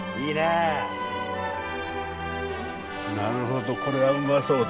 なるほどこれはうまそうだ。